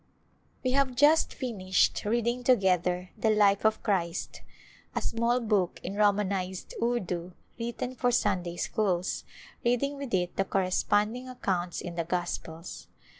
We have just finished reading together the " Life of Christ," a small book in Romanized Urdu written for Sunday schools, reading with it the corresponding accounts in the Gospels.